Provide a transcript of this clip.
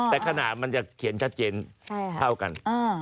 แต่ขนาดมันจะเขียนชัดเจนเท่ากัน